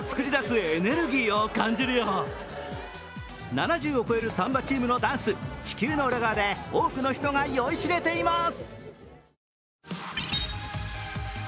７０を超えるサンバチームのダンス、地球の裏側で多くの人が酔いしれています。